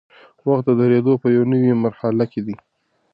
وخت د درېدو په یوې نوي مرحله کې دی.